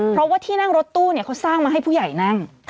เพราะว่าที่นั่งรถตู้เขาสร้างมาให้ผู้ใหญ่นั่ง